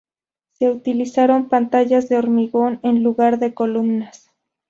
Se utilizaron pantallas de hormigón en lugar de columnas.